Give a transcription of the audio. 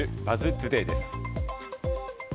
トゥデイです。